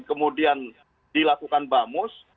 kemudian dilakukan bamus